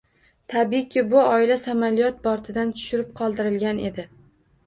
Tabiiyki, bu oila samolyot bortidan tushirib qoldirilgan edi